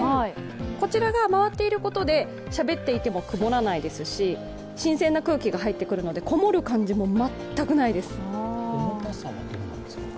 こちらが回っていることでしゃべっていても曇らないですし新鮮な空気が入ってくるので、こもる感じも全くないです。